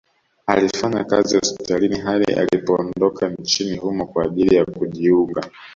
Alifanya kazi hospitalini hadi alipoondoka nchini humo kwa ajili ya kujiunga